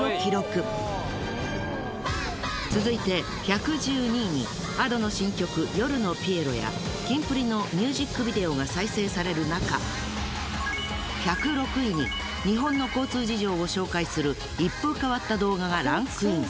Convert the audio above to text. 続いて１１２位にＡｄｏの新曲『夜のピエロ』やキンプリのミュージックビデオが再生されるなか１０６位に日本の交通事情を紹介する一風変わった動画がランクイン。